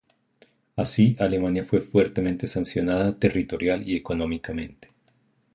Así, Alemania fue fuertemente sancionada territorial y económicamente.